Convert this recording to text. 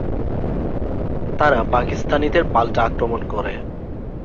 তারা পাকিস্তানিদের পাল্টা আক্রমণ করে।